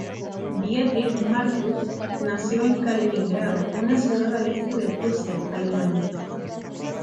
Dietrich Marcuse nació en Kaliningrado, una ciudad al este de Prusia, Alemania.